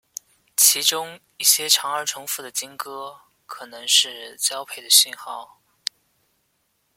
其中一些长而重复的鲸歌可能是交配的讯号。